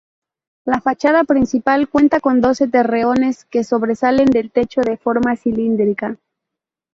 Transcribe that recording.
La fachada principal cuenta con doce torreones que sobresalen del techo, de forma cilíndrica.